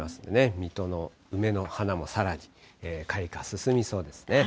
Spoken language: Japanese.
水戸の梅の花もさらに開花、進みそうですね。